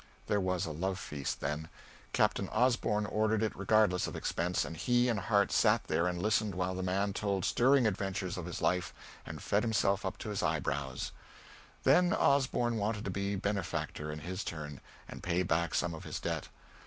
There was a love feast, then. Captain Osborn ordered it regardless of expense, and he and Harte sat there and listened while the man told stirring adventures of his life and fed himself up to the eyebrows. Then Osborn wanted to be benefactor in his turn, and pay back some of his debt.